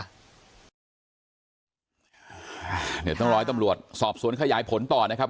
เดี๋ยวต้องรอให้ตำรวจสอบสวนขยายผลต่อนะครับ